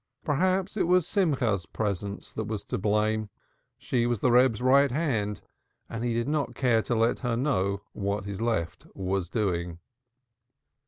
Perhaps it was Simcha's presence that was to blame. She was the Reb's right hand and he did not care to let her know what his left was doing.